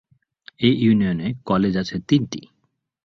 এ ইউনিয়নে কলেজ আছে তিনটি।